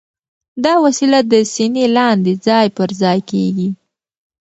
دا وسیله د سینې لاندې ځای پر ځای کېږي.